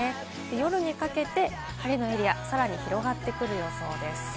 夜にかけて晴れのエリアがさらに広がっていきそうです。